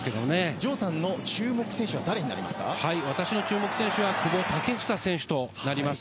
城さんの注目選手は誰になり私の注目選手は、久保建英選手となります。